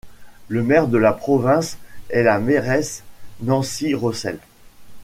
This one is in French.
Le maire de la province est la mairesse Nancy Rossel.